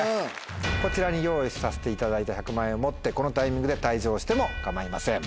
こちらに用意させていただいた１００万円を持ってこのタイミングで退場しても構いません。